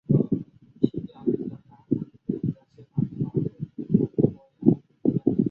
灵斯泰兹是丹麦西兰大区的一座城市。